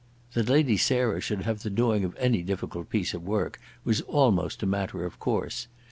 That Lady Sarah should have the doing of any difficult piece of work was almost a matter of course.